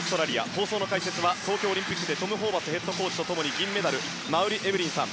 放送の解説は東京オリンピックでトム・ホーバスヘッドコーチと共に銀メダル、馬瓜エブリンさん。